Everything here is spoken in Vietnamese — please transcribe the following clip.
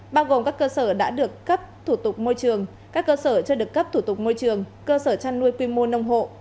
bao gồm các cơ sở đã được cấp thủ tục môi trường các cơ sở chưa được cấp thủ tục môi trường cơ sở chăn nuôi quy mô nông hộ